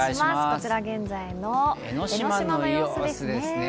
こちらは現在の江の島の様子ですね。